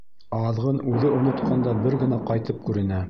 Аҙғын үҙе онотҡанда бер генә ҡайтып күренә.